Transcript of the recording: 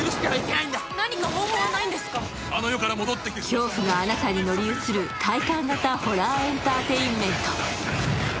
恐怖があなたに乗り移る体感型ホラーエンターテインメント。